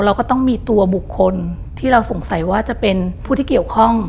เราก็ต้องมีตัวบุคคลที่เราสงสัยว่าจะเป็นผู้ที่เกี่ยวข้อง